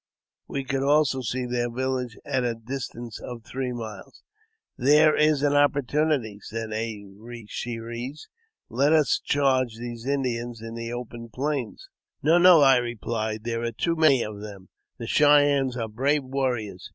We could also see their village at a distance of three miles. "There is an opportunity," said A re she res ; "now let us charge these Indians in the open prairie." "No, no," I replied; "there are too many of them; the Cheyennes are brave warriors